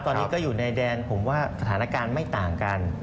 ตอนนี้ก็อยู่ในแดนผมว่าสถานการณ์ไม่ต่างกัน